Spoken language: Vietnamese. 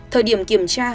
thời điểm kiểm tra